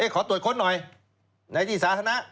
ขอตรวจค้นหน่อยในที่สาธารณะ